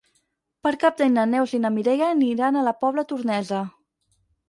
Per Cap d'Any na Neus i na Mireia aniran a la Pobla Tornesa.